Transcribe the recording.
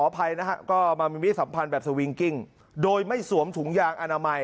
อภัยนะครับก็มามีสัมพันธ์แบบโดยไม่สวมถุงยาง